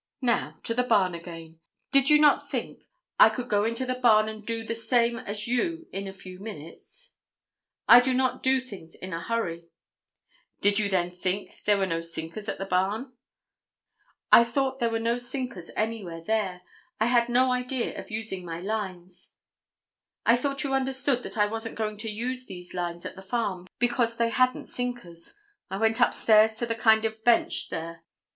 "Now, to the barn again. Do you not think I could go into the barn and do the same as you in a few minutes?" "I do not do things in a hurry." "Did you then think there were no sinkers at the barn?" "I thought there were no sinkers anywhere there. I had no idea of using my lines. I thought you understood that I wasn't going to use these lines at the farm, because they hadn't sinkers. I went upstairs to the kind of bench there.